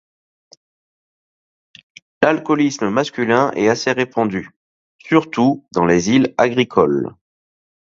L'alcoolisme masculin est assez répandu, surtout dans les îles agricoles.